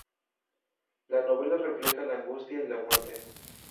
La novela refleja la angustia y la muerte.